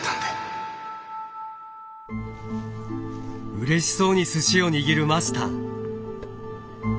うれしそうにすしを握るマスター。